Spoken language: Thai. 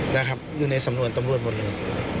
นะครับอยู่ในสำนวนตำรวจหมดเลย